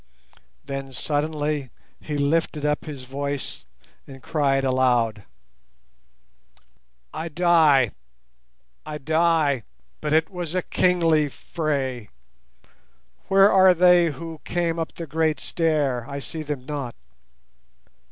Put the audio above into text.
Then suddenly he lifted up his voice and cried aloud— "I die, I die—but it was a kingly fray. Where are they who came up the great stair? I see them not.